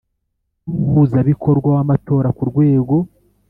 n umuhuzabikorwa w amatora ku rwego